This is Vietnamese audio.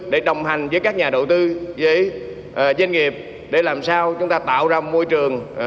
để đồng hành với các nhà đầu tư với doanh nghiệp để làm sao chúng ta tạo ra môi trường